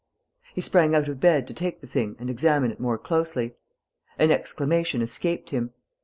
He sprang out of bed to take the thing and examine it more closely. An exclamation escaped him.